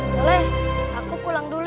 kita harus pulang leh